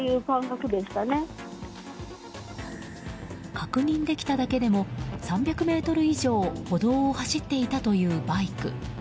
確認できただけでも３００ｍ以上歩道を走っていたというバイク。